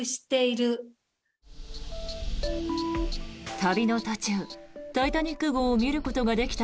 旅の途中「タイタニック号」を見ることができた